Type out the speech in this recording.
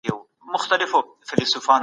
تر هغې لاري هاخوا یو پټی دی.